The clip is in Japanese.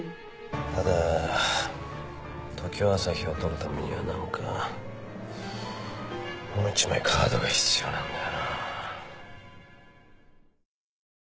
ただ常葉朝陽を取るためには何かもう１枚カードが必要なんだよな。